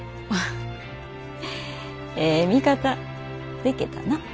ええ味方でけたな。